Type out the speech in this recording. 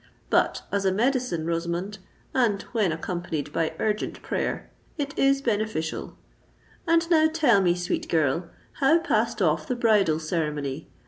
But, as a medicine, Rosamond—and when accompanied by urgent prayer—it is beneficial. And now tell me, sweet girl, how passed off the bridal ceremony?